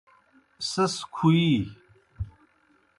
سیْس کُھوِیی۔